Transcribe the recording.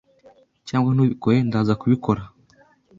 Cyangwa ntubikore ndaza kubikora